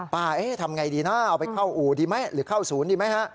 ป้าทำอย่างไรดีนะเอาไปเข้าอู่ดีไหมหรือเข้าศูนย์ดีไหม